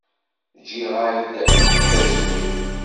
Ǧǧiɣ-ak-d tazmilt.